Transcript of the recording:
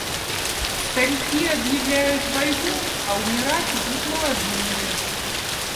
Старики объявляют войну, а умирать идут молодые.